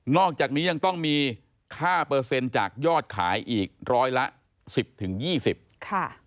อกจากนี้ยังต้องมีค่าเปอร์เซ็นต์จากยอดขายอีกร้อยละ๑๐๒๐ค่ะ